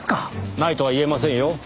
ないとは言えませんよ。